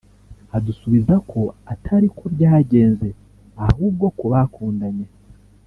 adusubiza ko atari ko byagenze ahubwo ko bakundanye